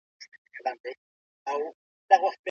او تر هغه وخته چې نس ناستی بند شي.